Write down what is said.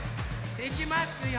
いきますよ。